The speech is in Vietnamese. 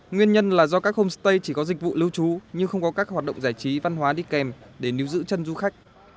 nguyên nhân là do các homestay chỉ có dịch vụ lưu trú nhưng không có các hoạt động giải trí văn hóa đi kèm để níu giữ chân du khách